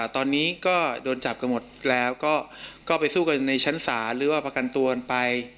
ตอนนี้ก็โดนจับกันหมดแล้วก็ไปสู้กันในชั้นศาลหรือว่าประกันตัวกันไป